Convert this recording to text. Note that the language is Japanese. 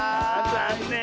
ざんねん。